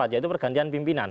yaitu pergantian pimpinan